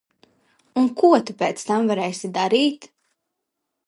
Un ko tu pēc tam varēsi darīt?